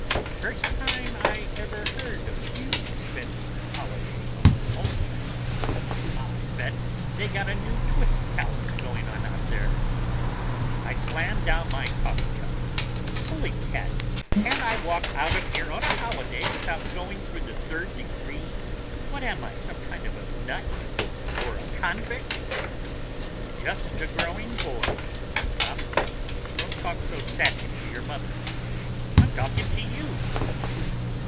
"First time I ever heard of you spending a holiday on homework. I bet they got a new twist palace going out there." I slam down my coffee cup. "Holy cats! Can't I walk out of here on a holiday without going through the third degree? What am I, some kind of a nut or a convict?" "Just a growing boy," says Pop. "And don't talk so sassy to your mother." "I'm talking to you!"